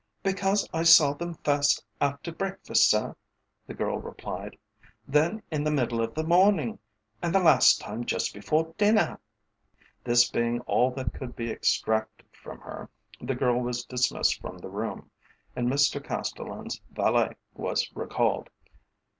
"Because I saw them first after breakfast, sir," the girl replied, "then in the middle of the morning, and the last time just before dinner." This being all that could be extracted from her, the girl was dismissed from the room, and Mr Castellan's valet was recalled.